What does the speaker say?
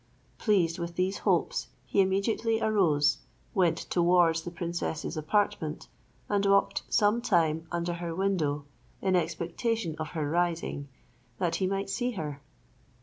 Pleased with these hopes, he immediately arose, went towards the princess's apartment, and walked some time under her window in expectation of her rising, that he might see her.